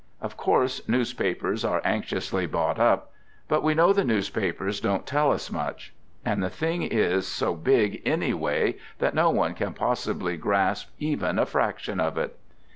Of course newspapers are anx iously bought up — but we know the newspapers don't tell us much. And the thing is so big anyway that no one can possibly grasp even a fraction of it.